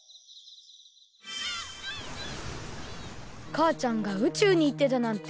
かあちゃんが宇宙にいってたなんて。